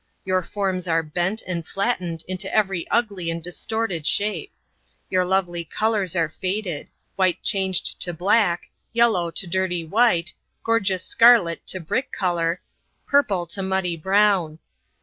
Your forms are bent and flattened into every ugly and distorted shape. Your lovely colors are faded, white changed to black, yellow to dirty white, gorgeous scarlet to brick color, purple to muddy brown.